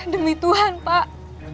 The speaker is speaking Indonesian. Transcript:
demi tuhan pak